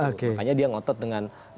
makanya dia ngotot dengan salim masegaw gitu